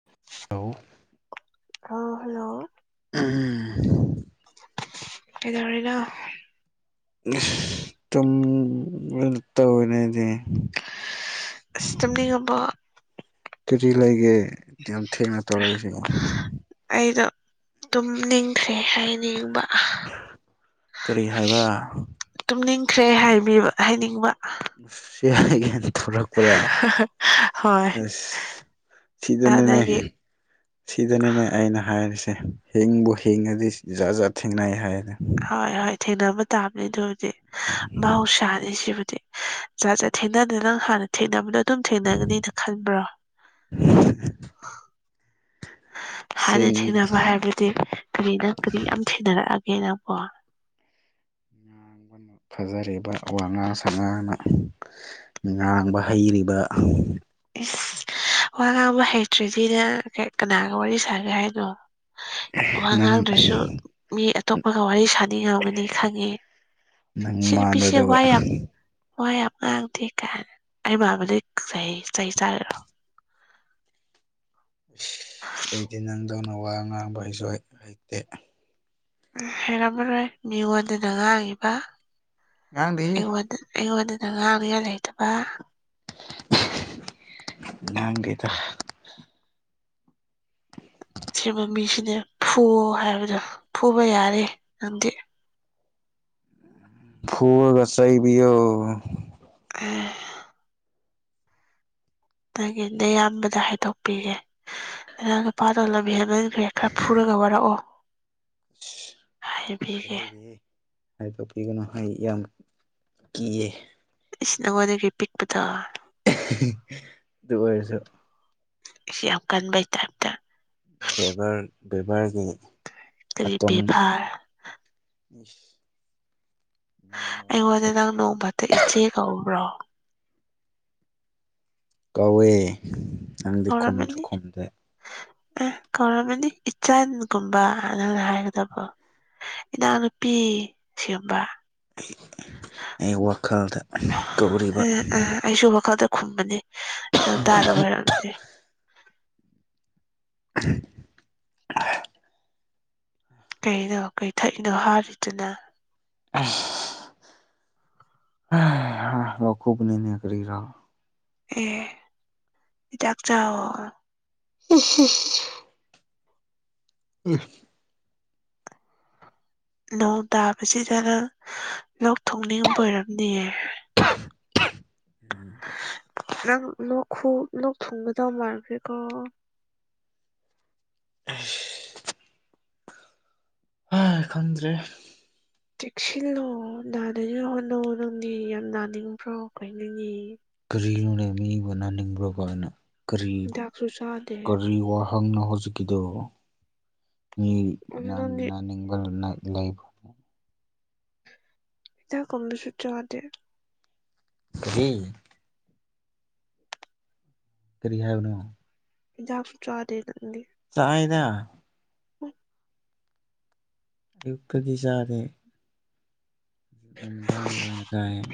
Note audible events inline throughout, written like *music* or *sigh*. *unintelligible* ꯑꯥ hello ꯎꯝ ꯀꯩꯗꯧꯔꯤꯅꯣ ꯇꯨꯝ ꯇꯧꯋꯦꯅꯦ ꯑꯩꯗꯤ ꯑꯁ ꯇꯨꯝꯅꯤꯡꯉꯥꯕꯣ ꯀꯥꯔꯤ ꯂꯩꯒꯦ ꯌꯥꯝ ꯊꯦꯡꯅ ꯇꯧꯔꯛꯏꯁꯦ ꯑꯩꯗꯣ ꯇꯨꯝ ꯅꯤꯡꯗ꯭ꯔꯦ ꯍꯥꯏꯅꯤꯡꯕ ꯀꯔꯤ ꯍꯥꯏꯕ ꯇꯨꯝꯅꯤꯡꯈ꯭ꯔꯦ ꯍꯥꯏꯕꯤꯕꯥ ꯍꯥꯏꯅꯤꯡꯕ *unintelligible* ꯊꯣꯔꯛꯄ꯭ꯔꯥ ꯍꯣꯏ ꯑꯁ ꯅ ꯁꯤꯗꯅꯤꯅꯦ ꯅꯪꯒꯤ ꯁꯤꯗꯅꯤꯅꯦ ꯑꯩꯅ ꯍꯥꯏꯔꯤꯁꯦ ꯍꯤꯡꯕꯨ ꯍꯤꯡꯉꯗꯤ ꯖꯥꯠ ꯖꯥꯠ ꯊꯦꯡꯅꯩ ꯍꯥꯏꯅ ꯍꯣꯏ ꯍꯣꯏ ꯊꯦꯡꯅꯕ ꯇꯥꯕꯅꯦ ꯑꯗꯨꯕꯨꯗꯤ ꯃꯍꯧꯁꯥꯅꯤ ꯁꯤꯕꯨꯗꯤ ꯖꯥꯠ ꯖꯥꯠ ꯊꯦꯡꯅꯗꯅ ꯅꯪ ꯍꯥꯟꯅ ꯊꯦꯡꯅꯕꯗꯣ ꯑꯗꯨꯝ ꯊꯦꯡꯅꯒꯅꯤꯅ ꯈꯟꯕ꯭ꯔꯣ *unintelligible* ꯍꯥꯟꯅ ꯆꯤꯟ ꯊꯦꯡꯅꯕ ꯍꯥꯏꯕꯗꯤ ꯀꯔꯤ ꯅꯪ ꯀꯔꯤ ꯌꯥꯝ ꯊꯦꯡꯅꯔꯛꯑꯒꯦ ꯅꯪꯕꯨ ꯉꯥꯡꯕꯅ ꯐꯖꯔꯤꯕ ꯋꯥꯉꯥꯡ ꯁꯉꯥꯡꯅ ꯉꯥꯡꯕ ꯍꯩꯔꯤꯕ ꯏꯁ ꯋꯥ ꯉꯥꯡꯕ ꯍꯩꯇ꯭ꯔꯤꯗꯤ ꯅꯪ ꯀꯅꯥꯒ ꯋꯥꯔꯤ ꯁꯥꯒꯦ ꯍꯥꯏꯅꯣ ꯋꯥ ꯅꯪ ꯉꯥꯡꯗꯔꯥꯁꯨ ꯃꯤ ꯑꯇꯣꯞꯄꯒ ꯋꯥꯔꯤ ꯁꯥꯅꯤꯡ ꯉꯝꯒꯅꯤ ꯈꯪꯉꯦ ꯅꯪ ꯁꯤ ꯅꯨꯄꯤꯁꯦ ꯃꯥꯟꯕꯗꯨꯒ ꯋꯥ ꯌꯥꯝ ꯋꯥꯌꯥꯝ ꯉꯥꯡꯗꯦꯗꯥ ꯑꯩꯃꯥꯟꯕꯗꯒꯤ ꯆꯩ ꯆꯥꯒꯦꯔꯣ ꯑꯁ ꯑꯩꯗꯤ ꯅꯪꯗꯧꯅ ꯋꯥ ꯉꯥꯡꯕ ꯍꯩꯁꯨ ꯍꯩꯇꯦ ꯍꯩꯔꯝꯃꯔꯣꯏ ꯃꯤꯉꯣꯟꯗꯅ ꯉꯥꯡꯉꯤꯕ ꯉꯥꯡꯗꯦꯍꯦ ꯑꯩꯉꯣꯟꯗ ꯑꯩꯉꯣꯟꯗꯅꯥ ꯉꯥꯡꯅꯤꯡꯉꯥꯏ ꯂꯩꯇꯕ ꯉꯥꯡꯗꯦꯗꯥ ꯑꯁꯤꯕꯥ ꯃꯤꯁꯤꯅꯦ ꯐꯨ ꯍꯥꯏꯕꯗꯣ ꯐꯨꯕ ꯌꯥꯔꯦ ꯅꯪꯗꯤ ꯐꯨꯔꯥꯒꯥ ꯆꯩꯕꯤꯌꯣ ꯑꯥ ꯅꯪꯒꯤ ꯅꯌꯥꯝꯕꯗꯥ ꯍꯥꯏꯗꯣꯛꯄꯤꯒꯦ ꯅꯥꯅꯥꯎ ꯅꯨꯨꯄꯥꯗꯣ ꯂꯝ ꯍꯦꯜꯂꯦ ꯅꯣꯏꯅꯥ ꯈ꯭ꯔꯥ ꯐꯨꯔꯒꯥ ꯋꯥꯔꯛꯑꯣ ꯍꯥꯏꯕꯤꯒꯦ ꯍꯥꯏꯍꯩ ꯗꯦꯍꯦ ꯍꯥꯏ ꯗꯣꯛꯄꯤꯒꯅꯨ ꯑꯩ ꯌꯥꯝ ꯀꯤꯌꯦ ꯏꯁ ꯅꯉꯣꯟꯗꯒꯤ ꯄꯤꯛꯄꯗꯣ ꯑꯗꯨ ꯑꯣꯏꯔꯁꯨ ꯑꯁꯤ ꯌꯥꯝ ꯀꯟꯕꯩ ꯇꯥꯏꯞꯇ ꯕꯤꯕꯥꯔ ꯕꯦꯕꯥꯔꯒꯤ ꯀꯔꯤ ꯃꯇꯨꯡ ꯕꯦꯕꯥꯔ *unintelligible* ꯑꯩꯉꯣꯟꯗ ꯃꯤꯑꯣꯏꯕꯁꯦ ꯅꯪ ꯅꯣꯡꯃꯇ ꯏꯆꯦ ꯀꯧꯕ꯭ꯔꯣ ꯀꯧꯋꯦ ꯅꯪꯗꯤ ꯈꯨꯝꯁꯨ ꯀꯧꯔꯥꯝꯃꯥꯅꯤ ꯈꯨꯝꯗꯦ ꯑꯦ ꯀꯧꯔꯝꯃꯅꯤ ꯏꯆꯟꯒꯨꯝꯕ ꯅꯪꯅ ꯍꯥꯏꯒꯗꯕ ꯏꯅꯥꯎꯅꯨꯄꯤ ꯁꯤꯒꯨꯝꯕ ꯑꯩ ꯋꯥꯈꯜꯗꯥ ꯑ ꯀꯧꯔꯤꯕ ꯑ ꯑꯩꯁꯨ ꯋꯥꯈꯜꯗ ꯈꯨꯝꯕꯅꯤ ꯅꯪ ꯇꯥꯗꯕ ꯑꯣꯏꯔꯝꯅꯤ *unintelligible* ꯀꯩꯅꯣ ꯀꯩ ꯊꯛꯏꯅꯣ ꯍꯥꯔꯤꯗꯨꯅ ꯫ ꯏꯁ ꯂꯣꯛ ꯈꯨꯕꯅꯤꯅꯦ ꯀꯔꯤꯔꯥ ꯑꯦ ꯍꯤꯗꯛ ꯆꯥꯎꯌꯣ *unintelligible* *unintelligible* ꯅꯣꯡ ꯇꯥꯕꯁꯤꯗꯅ ꯂꯣꯛ ꯊꯨꯡꯅꯤꯡꯕ ꯑꯣꯏꯔꯝꯅꯤꯌꯦ *inaudible* ꯅꯪ ꯂꯣꯛ ꯈꯨ ꯂꯣꯛ ꯊꯨꯡꯒꯗꯧ ꯃꯥꯥꯟꯔꯈꯦꯀꯣ ꯫ ꯏꯁ ꯍꯥꯏ ꯈꯪꯗ꯭ꯔꯦ ꯫ ꯇꯦꯛꯁꯤꯜꯂꯣ ꯅꯥꯗꯅꯤꯡꯉꯥꯏ ꯍꯣꯠꯅꯧꯌꯣ ꯅꯪꯗꯤ ꯌꯥꯝ ꯅꯥꯅꯤꯡꯕ꯭ꯔꯣ ꯀꯩꯅꯣꯅꯦ ꯀꯔꯤꯅꯣꯅꯦ ꯃꯤꯕꯨ ꯅꯥꯅꯤꯡꯕ꯭ꯔꯥ ꯀꯥꯏꯅ ꯀꯔꯤ ꯍꯤꯗꯥꯛꯁꯨ ꯆꯥꯗꯦ ꯀꯔꯤ ꯋꯥ ꯍꯪꯅꯣ ꯍꯧꯖꯤꯛꯀꯤꯗꯨꯣ ꯃꯤ ꯑꯗꯨ ꯅꯪꯗꯤ ꯅꯥꯅꯤꯡꯕ ꯂꯩꯕꯔꯣ ꯍꯤꯗꯛ ꯀꯨꯝꯕꯁꯨ ꯆꯥꯗꯦ ꯫ ꯀꯔꯤ ꯀꯔꯤ ꯍꯥꯏꯕꯅꯣ ꯍꯤꯗꯛꯁꯨ ꯆꯥꯗꯦ ꯅꯪꯗꯤ ꯫ ꯆꯥꯏꯗ *unintelligible* ꯑꯌꯨꯛꯇꯗꯤ ꯆꯥꯗꯦ ꯅꯨꯃꯤꯗꯥꯡꯒꯤ ꯑꯣꯏꯅ ꯆꯥꯏꯌꯦ ꯫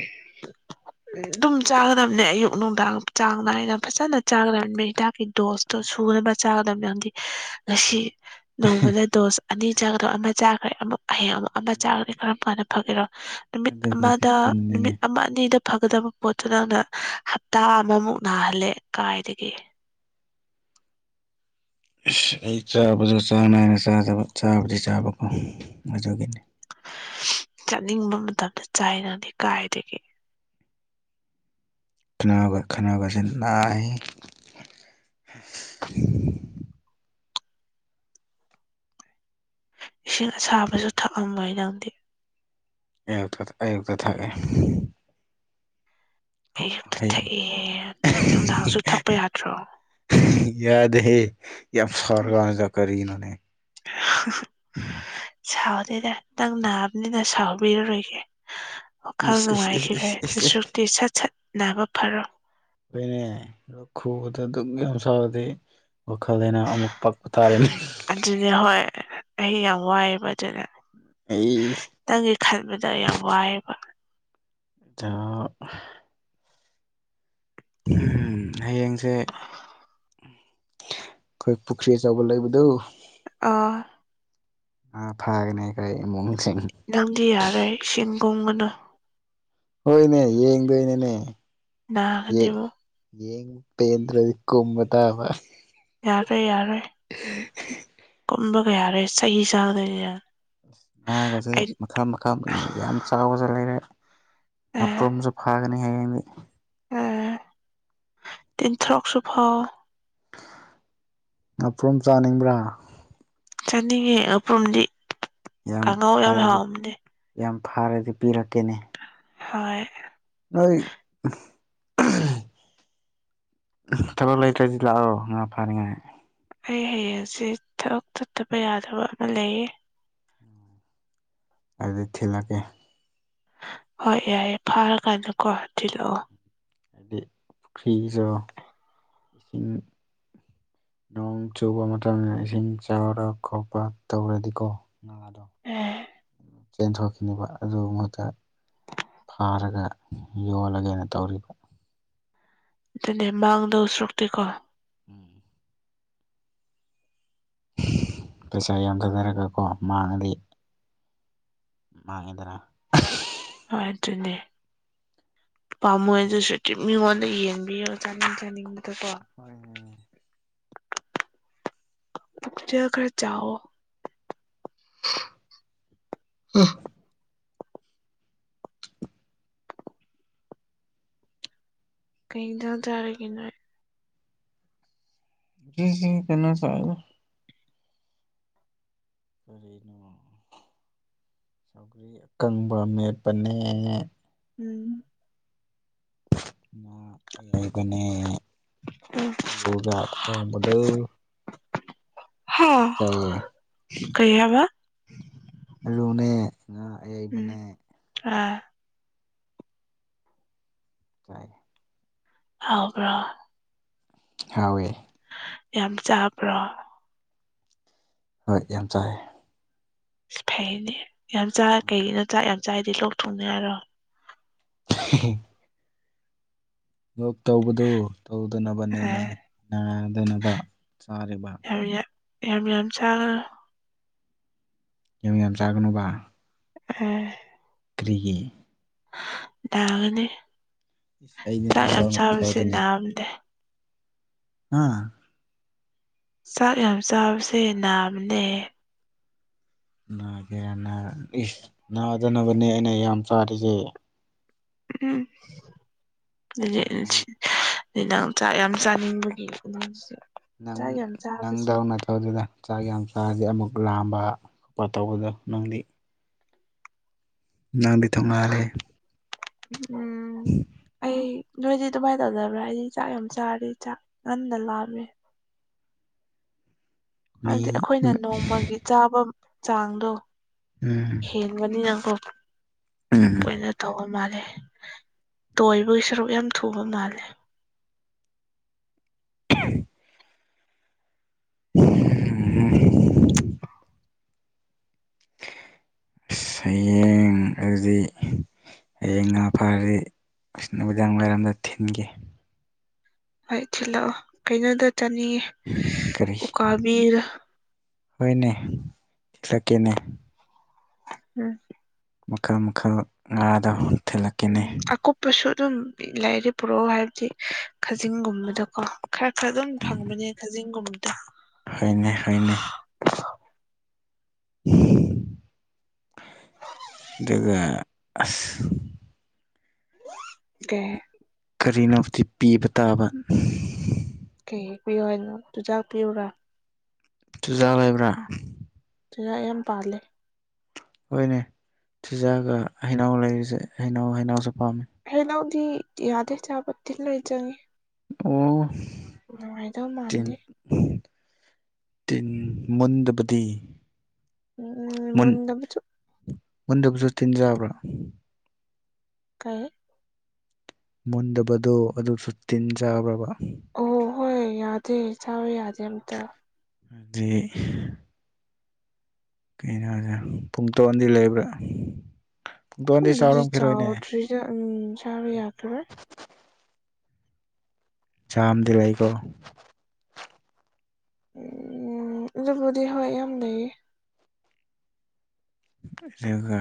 ꯑꯗꯨꯝ ꯆꯥꯒꯗꯕꯅꯦ ꯑꯌꯨꯛ ꯅꯨꯡꯗꯥꯡ ꯆꯥꯡ ꯅꯥꯏꯅ ꯐꯖꯅ ꯆꯥꯒꯗꯕꯅꯦ ꯍꯤꯗꯥꯛꯀꯤ ꯗꯣꯁ ꯇꯣ ꯁꯨꯅꯕ ꯆꯥꯒꯗꯝꯕ ꯍꯥꯏꯗꯤ ꯉꯁꯤ ꯅꯣꯡꯃꯗ ꯗꯣꯁ ꯑꯅꯤ ꯆꯥꯒꯗꯕꯑꯝ ꯆꯥꯈ꯭ꯔꯦ ꯑꯃꯨꯛ ꯍꯌꯦꯡꯡ ꯑꯃꯨꯛ ꯑꯃ ꯆꯥꯈ꯭ꯔꯗꯤ ꯀꯔꯝ ꯀꯥꯟꯗ ꯐꯒꯦꯔꯣ ꯫ ꯅꯨꯃꯤꯠ ꯑꯗꯨꯕꯨꯗꯤ ꯑꯃꯗ ꯆꯨꯝꯃꯤꯅꯦ ꯅꯨꯃꯤꯠ ꯑꯃ ꯑꯅꯤꯗ ꯫ ꯐꯒꯗꯕ ꯄꯣꯠꯇꯨꯅ ꯑꯗꯨꯅ ꯍꯞꯇꯥ ꯑꯃꯃꯨꯛ ꯅꯥꯍꯜꯂꯦ ꯀꯥꯏꯗꯒꯤ ꯫ ꯑꯁ ꯑꯩ ꯆꯥꯕꯗ ꯆꯥꯡ ꯅꯥꯏꯅ ꯆꯥꯖꯕ ꯆꯥꯕꯨꯗꯤ ꯆꯥꯕꯀꯣ ꯑꯗꯨꯒꯤꯅꯤ ꯆꯠꯅꯤꯡꯕ ꯃꯇꯝꯗ ꯆꯥꯏꯔ ꯅꯪꯗꯤ ꯀꯥꯏꯗꯒꯤ ꯫ ꯈꯅꯥꯎ ꯈꯅꯥꯎꯒꯁꯦ ꯅꯥꯏ ꯏꯁꯤꯡ ꯑꯁꯥꯕꯁꯨ ꯊꯛꯂꯝꯃꯣꯏ ꯅꯪꯗꯤ ꯫ ꯑꯌꯨꯛꯇ ꯑꯌꯨꯛꯇ ꯊꯥꯛꯑꯦ ꯑꯣ ꯑꯌꯨꯛꯇ ꯐꯩꯌꯦ ꯊꯛꯑꯦ ꯅꯨꯡꯗꯥꯡꯁꯨ ꯊꯛꯄ ꯌꯥꯗ꯭ꯔꯣ ꯌꯥꯗꯦꯍꯦ ꯌꯥꯝ ꯁꯧꯔꯒ ꯍꯥꯏ ꯀꯔꯤꯅꯣꯅꯦ ꯁꯥꯎꯗꯦꯅꯦ ꯅꯪ ꯅꯥꯕꯅꯤꯅ ꯁꯥꯎꯕꯤꯔꯔꯣꯏꯒꯦ ꯫ ꯋꯥꯈꯜ ꯏꯁ ꯏꯁ ꯏꯁ ꯅꯨꯡꯉꯥꯏꯈꯤꯔꯣꯚ ꯏꯁ ꯏꯁ ꯑꯗꯨꯁꯨꯨꯛꯇꯤ ꯁꯠ ꯁꯠꯅꯥꯕ ꯐꯔꯣ ꯫ ꯍꯣꯏꯅꯦ ꯂꯣꯛ ꯈꯨꯕꯗ ꯑꯗꯨꯛ ꯌꯥꯝ ꯁꯥꯕꯗꯤ ꯋꯥꯈꯜ ꯂꯥꯏꯅ ꯑꯃꯨꯛ ꯄꯛꯄ ꯇꯥꯔꯦꯅꯦ ꯫ ꯑꯗꯨꯅꯦ ꯍꯣꯏ ꯑꯩ ꯌꯥꯝ ꯋꯥꯏꯑꯦꯕ ꯑꯗꯨꯅꯦ ꯫ ꯏꯁ ꯅꯪꯒꯤ ꯈꯟꯕꯗ ꯑꯩ ꯌꯥꯝ ꯋꯥꯏꯑꯦꯕ ꯫ ꯆꯥꯎ ꯎꯝ ꯍꯌꯦꯡꯁꯦ ꯑꯩꯈꯣꯏ ꯄꯨꯈ꯭ꯔꯤ ꯆꯥꯎꯕ ꯂꯩꯕꯗꯣ ꯑꯥ ꯉꯥ ꯐꯥꯒꯅꯤ ꯑꯩ ꯈꯣꯏ ꯏꯃꯨꯡꯁꯤꯡ ꯅꯪꯗꯤ ꯌꯥꯔꯣꯏ ꯏꯁꯤꯡꯀꯨꯝꯒꯅꯨ ꯍꯣꯏꯅꯦ ꯌꯦꯡꯗꯣꯏꯅꯤꯅꯦ ꯫ ꯅꯥꯒꯅꯤ ꯑꯃꯨꯛ ꯌꯦꯡ ꯄꯦꯟꯗ꯭ꯔꯗꯤ ꯀꯨꯝ ꯇꯥꯕ ꯫ ꯌꯥꯈꯔꯦ ꯌꯥꯔꯦ *unintelligible* ꯀꯨꯝꯕ ꯀꯌꯥꯔꯦ ꯆꯍꯤ ꯆꯥꯡꯗꯣꯏꯅꯤꯅ ꯉꯥꯒꯁꯦ ꯃꯈꯜ ꯃꯈꯜ ꯌꯥꯝ ꯆꯥꯎꯕꯁꯨ ꯂꯩꯔꯦ ꯑꯄꯁꯨ ꯐꯒꯅꯦ ꯍꯌꯦꯗꯤꯁ ꯑꯦ ꯇꯤꯟꯊꯣꯔꯛ ꯆꯣꯐꯦ ꯅꯄ꯭ꯔꯣꯝ ꯆꯥꯅꯤꯡꯕ꯭ꯔꯥ ꯆꯅꯤꯒꯤꯛ ꯑꯄꯨꯝꯗꯤ ꯌꯥꯝ ꯀꯥꯡꯉꯥꯎ ꯌꯥꯝ ꯐꯥꯏꯗꯤ ꯍꯥꯎꯝꯅꯦ ꯌꯥꯝ ꯐꯥꯔꯗꯤ ꯄꯤꯔꯛꯀꯦꯅꯦ ꯍꯣꯏ ꯅꯣꯏ ꯊꯕꯛ ꯂꯩꯇ꯭ꯔꯗꯤ ꯂꯥꯛꯑꯣ ꯉꯥ ꯐꯥꯅꯤꯉꯥꯏ ꯑꯩ ꯍꯌꯦꯡꯁꯦ ꯊꯕꯛ ꯆꯠꯇꯕ ꯌꯥꯗꯕ ꯑꯃ ꯂꯩꯌꯦ ꯑꯗꯨꯗꯤ ꯊꯤꯜꯂꯛꯀꯦ ꯍꯣꯏ ꯌꯥꯏꯑꯦ ꯐꯥꯔꯀꯥꯟꯗꯀꯣ ꯊꯤꯜꯂꯛꯑꯣ ꯑ ꯄꯨꯈ꯭ꯔꯤꯁꯨ ꯏꯁꯤꯡꯁꯤꯡ ꯅꯣꯡ ꯆꯨꯕ ꯃꯇꯝꯗ ꯏꯁꯤꯡ ꯆꯥꯎꯔ ꯈꯣꯠꯄ ꯇꯧꯔꯗꯤꯀꯣ *unintelligible* ꯆꯦꯟꯊꯣꯛꯈꯤꯅꯤꯕ ꯑꯗꯨ ꯃꯍꯛꯇ ꯐꯥꯔꯒ ꯌꯣꯜꯂꯒꯦꯅ ꯇꯧꯔꯤꯕ ꯑꯗꯨꯗꯅꯦ ꯃꯥꯡꯗꯧ ꯁꯔꯨꯛꯇꯣꯏꯀꯣ ꯎꯝ ꯄꯩꯁꯥ ꯌꯥꯝꯊꯊꯔꯒꯀꯣ ꯃꯥꯡꯉꯗꯤ ꯃꯥꯡꯉꯤꯗꯅ ꯍꯣꯏ ꯑꯗꯨꯅꯦ ꯄꯥꯝꯃꯣꯏ ꯑꯗꯨꯁꯨ ꯎꯝ ꯃꯤꯉꯣꯟꯗ ꯌꯦꯡꯕꯤꯌꯣ ꯆꯥꯅꯤꯡ ꯆꯥꯅꯤꯡꯕꯗꯀꯣ ꯍꯣꯏꯅꯦ ꯄꯨꯆ ꯈꯔ ꯆꯑꯣ *unintelligible* ꯀꯩꯗꯖꯥꯔꯒꯦ ꯅꯣꯏ ꯀꯅꯥ ꯆ ꯍꯥꯏꯒ ꯀꯔꯤꯅꯣ ꯑꯩꯈꯒꯤ ꯑꯀꯪꯕ ꯃꯦꯠꯄꯅꯦ ꯎꯝ ꯑꯌꯥꯩꯕꯅꯦ ꯎꯝ ꯑꯂꯨꯒ ꯊꯣꯡꯕꯗ *unintelligible* ꯀꯩꯑꯕ ꯑꯂꯨꯅꯦ ꯉꯥ ꯑꯌꯥꯏꯕꯅꯦ ꯑ ꯆꯥꯏ ꯍꯥꯎꯕ꯭ꯔꯣ ꯍꯥꯎꯑꯦ ꯌꯥꯝ ꯆꯥꯕ꯭ꯔꯣ ꯍꯣꯏ ꯌꯥꯝ ꯆꯥꯏ ꯐꯩꯅꯦ ꯌꯥꯝ ꯆ ꯀꯩꯅꯣ ꯆꯥꯛ ꯌꯥꯝ ꯆꯥꯏꯗꯤ ꯂꯣꯛ ꯊꯣꯛꯅ ꯌꯥꯔꯣ *unintelligible* ꯌꯣꯛ ꯇꯧꯕꯗꯨ ꯇꯧꯗꯅꯕꯅꯦꯅꯦ ꯑꯦ ꯅꯥꯗꯅꯕ ꯆꯥꯔꯤꯕ ꯌꯥꯝ ꯌꯥꯝ ꯌꯥꯝ ꯌꯥꯝ ꯆꯥꯡ *unintelligible* ꯌꯥꯝ ꯌꯥꯝ ꯆꯥꯒꯅꯨꯕ *unintelligible* ꯀꯔꯤꯒꯤ ꯅꯥꯒꯅꯤ ꯏꯁ ꯑꯩꯗꯤ ꯆꯥꯛ ꯌꯥꯝ ꯅꯥꯗꯧ ꯆꯥꯕꯁꯦ ꯇꯧꯗꯣꯏꯅꯦ ꯅꯥꯕꯅꯦ ꯑꯥ ꯆꯥꯛ ꯌꯥꯝ ꯆꯥꯕꯁꯦ ꯅꯥꯕꯅꯦ ꯅꯥꯒꯦ ꯏꯁ ꯅꯥꯗꯅꯕꯅꯦ ꯑꯩꯅ ꯌꯥꯝ ꯆꯥꯔꯤꯁꯦ ꯎꯝ ꯑꯩꯗꯤ ꯅꯪ ꯖꯁꯤ ꯑꯩ ꯅꯪ ꯆꯥꯛ ꯌꯥꯝ ꯆꯥꯅꯤꯡꯕꯒꯤ ꯅꯪ ꯆꯥꯛ ꯌꯥꯝ ꯆꯥꯕꯁꯦ ꯅꯪꯗꯅ ꯑꯗꯨꯗꯨꯅ ꯆꯥꯛ ꯌꯥꯝ ꯆꯥꯗꯤꯦ ꯑꯃꯨꯛ ꯂꯥꯝꯕ ꯈꯣꯠꯄ ꯇꯧꯕꯗꯣ ꯅꯪꯗꯤ ꯅꯪꯗꯤ ꯊꯧꯅꯥꯜꯂꯦ ꯎꯝ ꯎꯝ ꯑꯩ ꯅꯣꯏꯗꯤ ꯑꯗꯨꯃꯥꯏꯅ ꯇꯧꯗꯕ꯭ꯔꯥ ꯑꯩꯗꯤ ꯆꯥꯛ ꯌꯥꯝ ꯆꯥꯔꯦ ꯆꯥꯛ ꯉꯟꯟꯅ ꯂꯥꯑꯃꯦ ꯃꯤ ꯍꯥꯏꯕꯗꯤ ꯑꯩꯈꯣꯏꯅ ꯅꯣꯡꯃꯒꯤ ꯆꯥꯕ ꯆꯥꯡꯗꯣ ꯎꯝ ꯍꯦꯜꯂꯤ ꯅꯤ ꯌꯥ ꯀꯣ ꯎꯝ ꯑ ꯇꯧꯕ ꯃꯥꯜꯂꯦ ꯇꯣꯏꯕꯒꯤ ꯁꯔꯨꯛ ꯌꯥꯝ ꯊꯨꯕ ꯃꯥꯜꯂꯦ ꯀ *unintelligible* ꯍꯌꯦꯡ ꯑꯗꯨꯗꯤ ꯍꯌꯦꯡ ꯉꯥ ꯐꯔꯗꯤ ꯅꯨꯃꯤꯗꯥꯡ ꯋꯥꯏꯔꯝꯗ ꯊꯤꯟꯈꯤ ꯍꯣꯏ ꯊꯤꯜꯂꯛꯑꯣ ꯀꯩꯅꯣꯗ ꯆꯥꯅꯤꯌꯦ ꯀꯔꯤ ꯍꯣꯏꯅꯦ ꯊꯤꯂꯛꯀꯦꯅꯦ ꯎꯝ ꯃꯈꯜ ꯃꯈꯜ ꯉꯥꯗ ꯊꯤꯜꯂꯛ ꯎꯝ ꯑꯀꯨꯞꯄꯁꯨ ꯑꯗꯨꯝ ꯂꯩꯔꯦ ꯄꯨꯔꯛꯎ ꯍꯥꯏꯕꯗꯤ ꯈꯖꯤꯡꯒꯨꯝꯕꯗꯀꯣ꯫ ꯈꯔ ꯈꯔ ꯑꯗꯨꯝ ꯎꯝ ꯐꯪꯕꯅꯦ ꯀꯥꯖꯤꯡꯒꯨꯝꯕꯗꯣ꯫ ꯍꯣꯏꯅꯦ ꯍꯣꯏꯅꯦ ꯑꯗꯨꯒ ꯑꯁ *unintelligible* ꯀꯩ ꯀꯔꯤꯅꯣ ꯗꯤ ꯄꯤꯕꯨ ꯇꯥꯕꯟ ꯀꯩ ꯍꯦꯛ ꯄꯤꯌꯣ ꯍꯥꯏꯅꯣ ꯑꯗꯨꯨꯖꯥꯛ ꯄꯤꯌꯨꯔꯥ꯫ ꯆꯨꯖꯥ ꯂꯩꯕ꯭ꯔꯥ꯫ ꯆꯨꯖꯥꯛ ꯌꯥꯝ ꯄꯥꯜꯂꯦ꯫ ꯍꯣꯏꯅꯦ ꯊꯤꯖꯑꯒ ꯍꯩꯅꯎ ꯂꯩꯔꯤꯁꯦ ꯍꯩꯅꯎ ꯍꯩꯅꯎꯁꯨ ꯄꯥꯝꯃꯦ꯫ ꯍ ꯅꯧꯗꯤ ꯌꯥꯗꯦ ꯆꯥꯕ ꯇꯤꯜ ꯂꯩꯣꯏ ꯆꯪꯉꯤ꯫ ꯑꯣ꯫ ꯅꯨꯡꯉꯥꯏꯗꯧ ꯃꯥꯟꯗꯦ꯫ ꯇꯤꯟ ꯇꯤꯟ ꯃꯨꯟꯗꯕꯗꯤ꯫ ꯎꯝ ꯃꯨꯟ ꯃꯨꯟꯗꯕꯁꯨ ꯃꯨꯟꯗꯕꯖꯣ ꯇꯤꯟꯖꯕ꯭ꯔꯥ꯫ ꯀꯩ ꯃꯨꯟꯗꯕꯗꯣ ꯑꯗꯨꯁꯨ ꯇꯤꯟꯖꯕ꯭ꯔꯕ꯫ ꯑꯣ ꯍꯣꯏ ꯌꯥꯗꯦ ꯆꯥꯎꯋ ꯌꯥꯗꯦ ꯑꯝꯇ꯫ ꯍꯥꯏꯗꯤ ꯀꯩꯅꯣꯁꯦ ꯄꯨꯡꯇꯣꯟꯗꯤ ꯂꯩꯕ꯭ꯔꯥ ꯄꯨꯡꯇꯣꯟꯗꯤ ꯆꯥꯎꯔꯝꯈꯤꯔꯣꯏꯅꯦ꯫ ꯑꯗꯣ ꯎꯝ ꯆꯥꯕ ꯌꯥꯈꯤꯔꯣꯏ꯫ ꯆꯥꯝꯗꯂꯩꯀꯣ꯫ ꯎꯝ ꯑꯗꯨꯕꯨꯗꯤ ꯍꯣꯏ ꯌꯥꯝ ꯂꯩꯌꯦ꯫ ꯑꯗꯨꯒ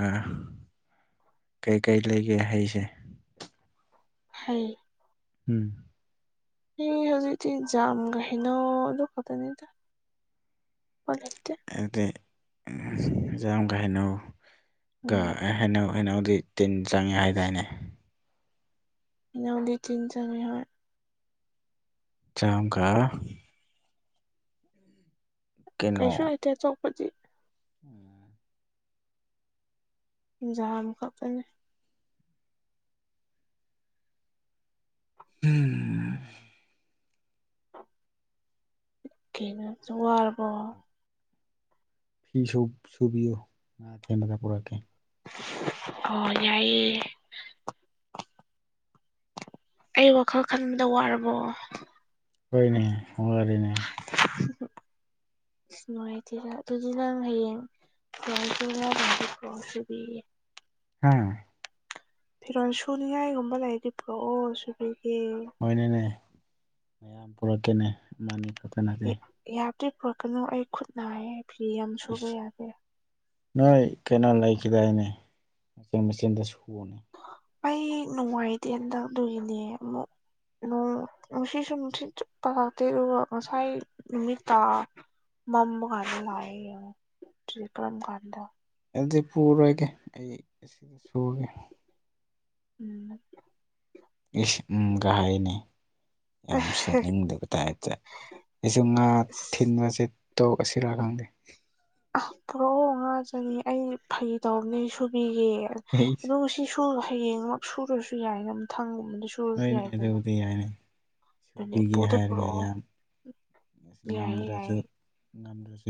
ꯀꯩꯀꯩ ꯂꯩꯒꯦ ꯍꯩꯁꯦ꯫ ꯍꯥꯏ ꯎꯝ꯫ ꯍꯩ ꯍꯧꯖꯤꯛꯇ ꯖꯥꯝ ꯍꯥꯏꯅꯧꯗꯨ ꯀ ꯇꯅꯤꯗ ꯍꯧꯖꯤꯛꯇꯤ꯫ ꯑꯗꯤ ꯌꯥꯝꯒ ꯍꯩꯅꯧ ꯎꯝ ꯍꯥꯏꯅꯧ ꯍꯩꯅꯧꯗꯤ ꯇꯤꯟ ꯆꯪꯉꯦ ꯍꯥꯏꯗꯥꯏꯅꯦ꯫ ꯍꯩꯅꯧꯗꯤ ꯇꯤꯟ ꯆꯪꯉꯤ ꯍꯣꯏ꯫ ꯆ ꯑꯃ ꯀ ꯀꯩꯁꯨ ꯍꯥꯏꯥꯏꯇꯦ ꯆꯧꯄꯗꯤ ꯎꯝ ꯏꯟꯖꯥꯡ ꯈꯛꯇꯅꯤ꯫ ꯎꯝ꯫ ꯀꯅꯁꯨ ꯋꯥꯔꯔꯕꯣ ꯐꯤꯁꯨ ꯁꯨꯕꯤꯌꯨ ꯉꯥ ꯑꯊꯦꯟꯕꯗ ꯄꯨꯔꯛꯀꯦ꯫ ꯑꯣ ꯌꯥꯏꯑꯌꯦ꯫ ꯑꯩ ꯋꯥꯈꯜ ꯈꯟꯕꯗ ꯋꯥꯔꯕꯣ꯫ ꯍꯣꯏꯅꯦ ꯋꯥꯔꯦꯅꯦ꯫ ꯑꯁ ꯅꯨꯡꯉꯥꯏꯇꯦ ꯑꯗꯨꯗꯤ ꯅꯪ ꯍꯌꯦꯡ꯫ *unintelligible* ꯀꯣꯁꯤꯕꯤ ꯍꯥꯥ ꯐꯤꯔꯣꯟꯜ ꯁꯨꯅꯤꯡꯉꯥꯏꯒꯨꯝꯕ ꯂꯩ ꯄ꯭ꯔꯣꯑꯣ ꯁꯨꯕꯤꯒꯦ ꯍꯣꯏꯅꯅꯦ ꯃꯌꯥꯝ ꯄꯨꯔꯛꯀꯦꯅꯦ ꯑꯃꯅꯤꯅꯤ ꯈꯛꯇ ꯅꯠꯇꯦ꯫ ꯌꯥꯝꯗꯤ ꯄꯨꯔꯛꯀꯅꯨ ꯑꯩ ꯈꯨꯠ ꯅꯥꯌꯦ ꯐꯤ ꯌꯥꯝ ꯁꯨꯕ ꯏꯁ ꯌꯥꯗꯦ꯫ ꯅꯣꯏ ꯀꯩꯅꯣ ꯂꯩꯈꯤꯗꯏꯅꯦ ꯃꯆꯤꯟ ꯃꯆꯤꯟꯗ ꯁꯨꯕꯅꯤ ꯃꯩ ꯅꯨꯡꯉꯥꯏꯇꯦ ꯍꯟꯗꯛ ꯑꯗꯨꯒꯤꯅꯦ ꯑꯃꯨꯛ꯫ ꯅꯨꯁꯤ ꯁꯨ ꯉꯁꯥꯏ ꯅꯨꯃꯤ ꯇꯥ ꯃꯥꯃ ꯈꯥꯟꯗ ꯂꯥꯑ ꯇꯀ꯭ꯔꯝ ꯈꯥꯟꯗ ꯑꯗꯨꯗꯤ ꯄꯨꯔꯣꯏꯒꯦ ꯑꯩꯗ ꯁꯒꯦ ꯎꯝ ꯏꯁ ꯎꯝ ꯀꯍꯥꯏꯅꯦ ꯌꯥꯝ ꯁꯨꯅꯤꯡꯗꯕ ꯇꯥꯏꯦ ꯑꯩꯁꯨ ꯉꯥ ꯑꯁ ꯊꯤꯟꯕꯁꯦ ꯇꯧ ꯑꯁꯤꯔꯥ ꯈꯪꯗꯦ ꯑ ꯄꯨꯔꯛꯑꯣ ꯉꯥ ꯆꯅꯤ ꯑꯩ ꯐꯩ ꯇꯧꯕꯅꯦ ꯁꯨꯕꯤꯒꯦ ꯑꯗꯨ ꯁꯤꯁꯨ ꯍꯌꯦꯡꯃꯛ ꯁꯨꯔꯁꯨ ꯌꯥꯏꯅꯝꯊꯪꯒꯨꯝꯕꯗꯁꯨ ꯍꯣꯏꯅꯦꯗꯕꯨꯗꯤ ꯌꯥꯏꯅꯦ ꯑꯗꯨꯅꯦ ꯁꯨꯕꯤꯒꯦ ꯄꯨꯗ ꯍꯥꯏꯔꯒ ꯄꯨꯔꯛꯑꯣ ꯌꯥꯝ ꯌꯥꯏꯌꯦ ꯉꯝꯗ꯭ꯔꯁꯨ ꯌꯥꯏꯌꯦ ꯉꯝꯗ꯭ꯔꯁꯨ